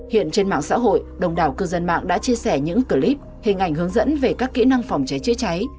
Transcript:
hiện trên mạng xã hội đồng đào cư dân mạng đã chia sẻ những clip hình ảnh hướng dẫn về các kỹ năng phòng cháy chữa cháy